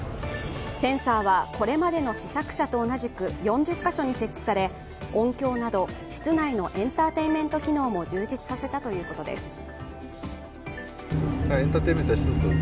センサーはこれまでの試作車と同じく４０カ所に設置され、音響など室内のエンターテインメント機能も充実させたということです。